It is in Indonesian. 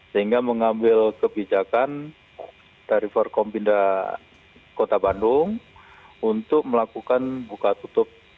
sehingga mengambil kebijakan dari forkompinda kota bandung untuk melakukan buka tutup